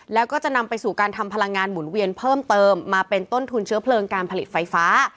แล้วก็จะนำไปสู่การทำพลังงานหมุนเวียนเพิ่มเติมมาเป็นต้นทุนเชื้อเพลิงการผลิตไฟฟ้า